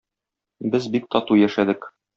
Без бик тату яшәдек.